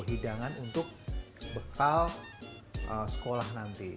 hidangan untuk bekal sekolah nanti